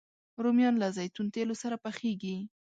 رومیان له زیتون تېلو سره پخېږي